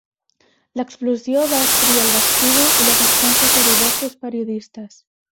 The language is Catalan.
L'explosió va destruir el vestíbul i les estances de diversos periodistes.